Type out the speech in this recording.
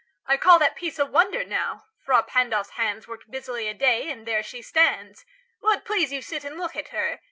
I call That piece a wonder, now: Frà Pandolf's° hands °3 Worked busily a day, and there she stands. Will't please you sit and look at her?